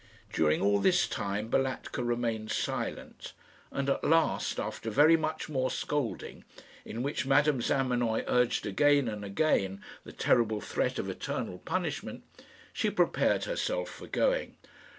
During all this time Balatka remained silent; and at last, after very much more scolding, in which Madame Zamenoy urged again and again the terrible threat of eternal punishment, she prepared herself for going.